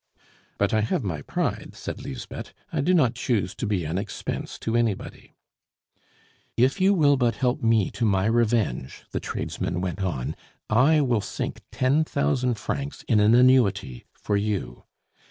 "But I have my pride," said Lisbeth. "I do not choose to be an expense to anybody." "If you will but help me to my revenge," the tradesman went on, "I will sink ten thousand francs in an annuity for you.